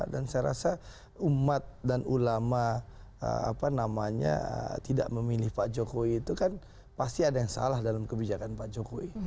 dan saya rasa umat dan ulama apa namanya tidak memilih pak jokowi itu kan pasti ada yang salah dalam kebijakan pak jokowi